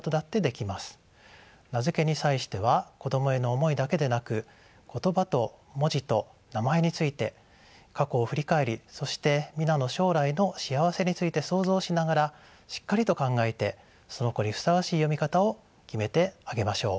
名付けに際しては子供への思いだけでなく言葉と文字と名前について過去を振り返りそして皆の将来の幸せについて想像しながらしっかりと考えてその子にふさわしい読み方を決めてあげましょう。